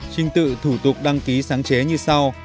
trình tự thủ tục đăng ký sáng chế như sau